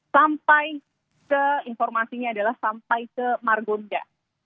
sampai ke informasinya adalah sampai ke margonda